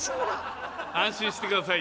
安心して下さい。